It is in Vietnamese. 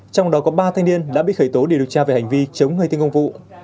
trong đó có ba thanh niên đã bị khởi tố để điều tra về hành vi chống người thinh công vụ